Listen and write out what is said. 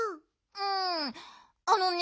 うんあのね